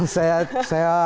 saya rasa tidak